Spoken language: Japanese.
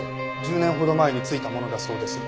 １０年ほど前に付いたものだそうです。